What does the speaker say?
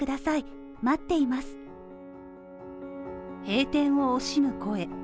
閉店を惜しむ声。